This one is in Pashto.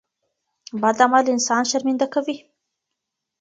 بد عمل انسان شرمنده کوي.